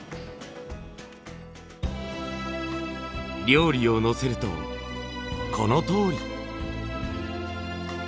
料理を載せるとこのとおり。